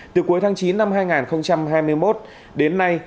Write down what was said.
từ cuối tháng chín năm hai nghìn hai mươi một đến nay